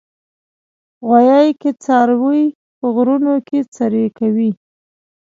غویی کې څاروي په غرونو کې څرې کوي.